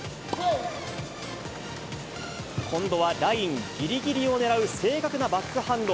今度はラインぎりぎりを狙う正確なバックハンド。